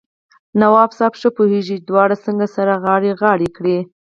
نواب صاحب ښه پوهېږي چې دواړه څنګه سره غاړه غړۍ کړي.